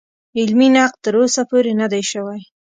علمي نقد تر اوسه پورې نه دی شوی.